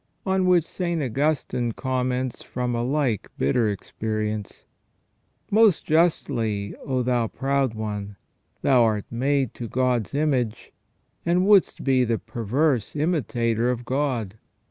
On which St. Augustine comments from a like bitter experience :" Most justly ! oh, thou proud one ! Thou art made to God's image, and wouldst be the perverse imitator of God.